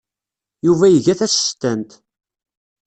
Yuba iga tasestant.